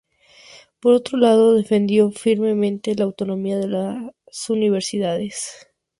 Por otro lado, defendió firmemente la autonomía de las universidades.